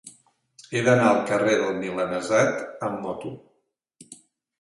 He d'anar al carrer del Milanesat amb moto.